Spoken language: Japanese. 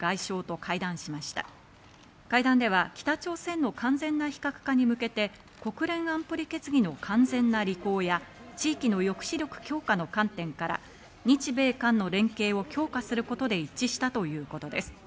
会談では北朝鮮の完全な非核化に向けて国連安保理決議の完全な履行や、地域の抑止力強化の観点から日米韓の連携を強化することで一致したということです。